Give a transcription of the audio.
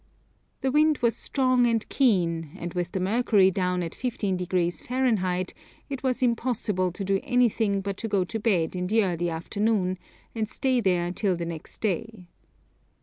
The wind was strong and keen, and with the mercury down at 15° Fahrenheit it was impossible to do anything but to go to bed in the early afternoon, and stay there till the next day.